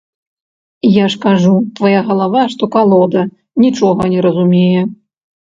Я ж кажу, твая галава, што калода, нічога не разумее.